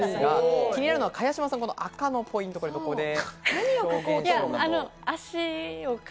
気になるのは茅島さん、赤のポイント、どこですか？